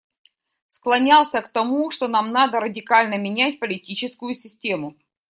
Склонялся к тому, что нам надо радикально менять политическую систему.